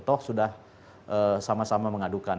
toh sudah sama sama mengadukan